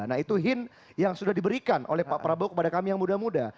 nah itu hint yang sudah diberikan oleh pak prabowo kepada kami yang muda muda